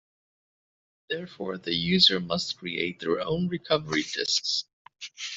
Therefore, the user must create their own recovery disks.